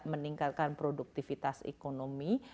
meningkatkan produktivitas ekonomi